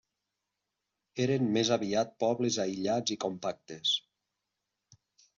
Eren més aviat pobles aïllats i compactes.